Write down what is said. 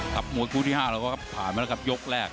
มวยคู่ที่๕เราก็ผ่านมาแล้วครับยกแรก